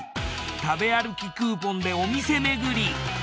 食べ歩きクーポンでお店めぐり。